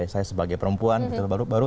saya sebagai perempuan baru